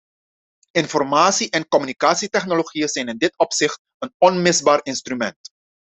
Informatie- en communicatietechnologieën zijn in dit opzicht een onmisbaar instrument.